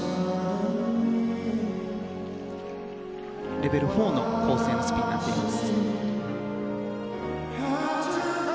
レベル４の構成のスピンになっています。